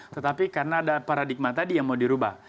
tetapi karena ada paradigma tadi yang mau dirubah